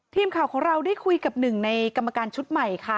ทีมข่าวของเราได้คุยกับหนึ่งในกรรมการชุดใหม่ค่ะ